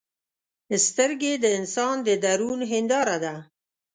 سترګې د انسان د درون هنداره ده